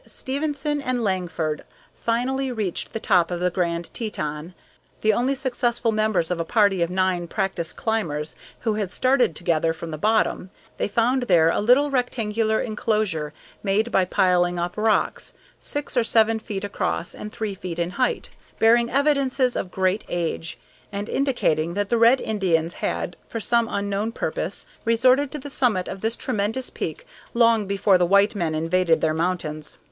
Stevenson and Langford finally reached the top of the Grand Teton the only successful members of a party of nine practised climbers who had started together from the bottom they found there a little rectangular enclosure, made by piling up rocks, six or seven feet across and three feet in height, bearing evidences of great age, and indicating that the red Indians had, for some unknown purpose, resorted to the summit of this tremendous peak long before the white men invaded their mountains.